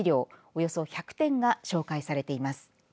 およそ１００点が紹介されています。